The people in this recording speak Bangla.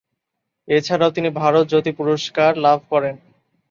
এছাড়াও তিনি, ভারত জ্যোতি পুরস্কার লাভ করেন।